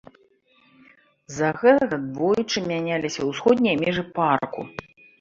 З-за гэтага двойчы мяняліся ўсходнія межы парку.